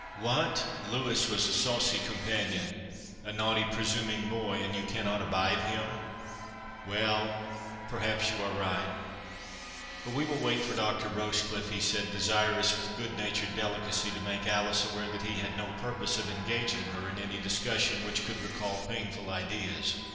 "What! Louis was a saucy companion—a naughty presuming boy—and you cannot abide him?—Well, perhaps you are right—But we will wait for Dr. Rochecliffe"—he said, desirous, with good natured delicacy, to make Alice aware that he had no purpose of engaging her in any discussion which could recall painful ideas.